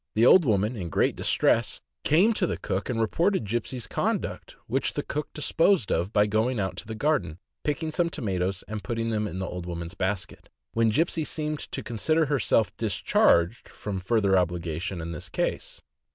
The old woman, in great distress, THE MASTIFF. 579 came to the cook and reported Gipsey' s conduct, which the cook disposed of by going out to the garden, picking some tomatoes, and putting them in the old woman's basket, when Gipsey seemed to consider herself discharged from further obligation in the case.